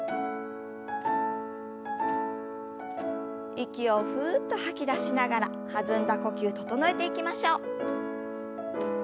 息をふっと吐き出しながら弾んだ呼吸を整えていきましょう。